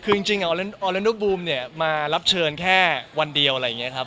คือจริงออเลนเดอร์บูมเนี่ยมารับเชิญแค่วันเดียวอะไรอย่างนี้ครับ